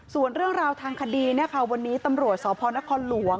ส่วนเรื่องราวทางคดีวันนี้ตำรวจสพนครหลวง